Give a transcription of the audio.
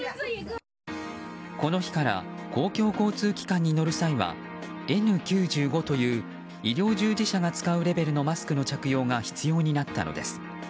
この日から公共交通機関に乗る際はＮ９５という医療従事者が使うレベルのマスクが着用が必要になったのです。